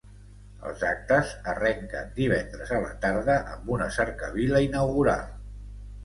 Els actes arrenquen divendres a la tarda amb una cercavila inaugural.